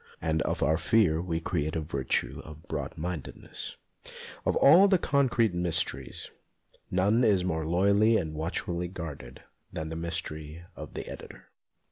And of our fear we create a virtue of broad mindedness. Of all the concrete mysteries, none is more loyally and watchfully guarded 152 ON EDITORS 153 than the mystery of the editor.